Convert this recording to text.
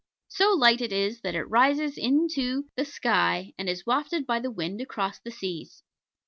So light it is, that it rises into the sky and is wafted by the wind across the seas.